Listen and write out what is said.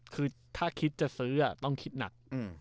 คือถ้าคิดจะซื้อต้องคิดหนัก